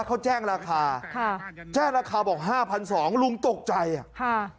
เขาแจ้งราคาค่ะแจ้งราคาบอกห้าพันสองลุงตกใจอ่ะค่ะ